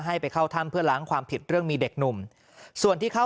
ให้ไปเข้าถ้ำเพื่อล้างความผิดเรื่องมีเด็กหนุ่มส่วนที่เข้า